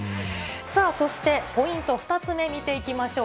そして、ポイント２つ目見ていきましょう。